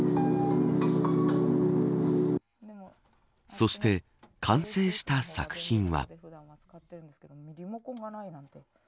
そして完成した作品は。